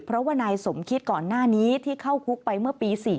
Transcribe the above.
เพราะว่านายสมคิดก่อนหน้านี้ที่เข้าคุกไปเมื่อปี๔๔